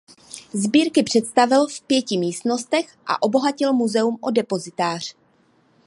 Sbírky představil v pěti místnostech a obohatil muzeum o depozitář.